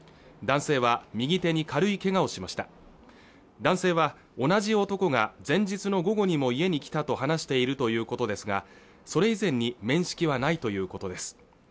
男性は右手に軽いけがをしました男性は同じ男が前日の午後にも家に来たと話しているということですがそれ以前に面識はないということです